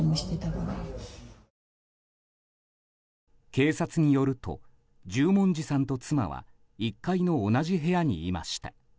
警察によると十文字さんと妻は１階の同じ部屋にいました。